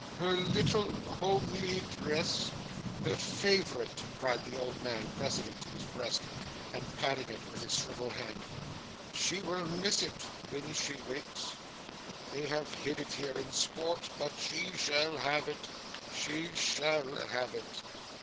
'Her little homely dress, her favourite!' cried the old man, pressing it to his breast, and patting it with his shrivelled hand. 'She will miss it when she wakes. They have hid it here in sport, but she shall have it she shall have it.